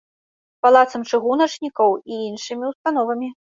Палацам чыгуначнікаў і іншымі ўстановамі.